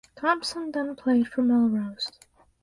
Thomson then played for Melrose.